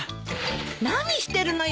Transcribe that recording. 何してるのよ